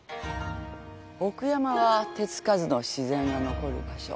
奥山は手付かずの自然が残る場所。